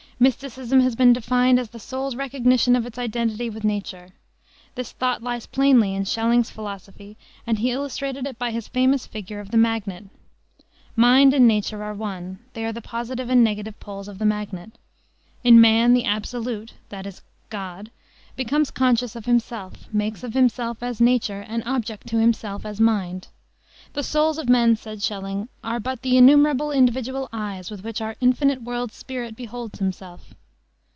Mysticism has been defined as the soul's recognition of its identity with nature. This thought lies plainly in Schelling's philosophy, and he illustrated it by his famous figure of the magnet. Mind and nature are one; they are the positive and negative poles of the magnet. In man, the Absolute that is, God becomes conscious of himself; makes of himself, as nature, an object to himself as mind. "The souls of men," said Schelling, "are but the innumerable individual eyes with which our infinite World Spirit beholds himself."